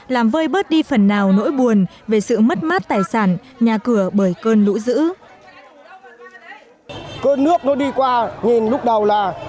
làm vơi bớt đi phần nào nỗi buồn về sự mất mát tài sản nhà cửa bởi cơn lũ dữ